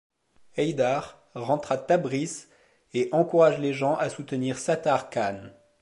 Haydar rentre à Tabriz et encourage les gens à soutenir Sattar Khan.